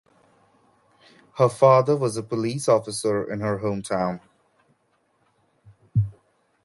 Her father was a police officer in her home town.